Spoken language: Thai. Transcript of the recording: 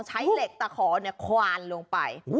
ใช้เหล็กตะขอควานลงไป